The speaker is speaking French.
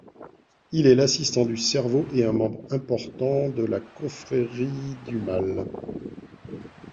Il est l'assistant du Cerveau et un membre important de la Confrérie du Mal.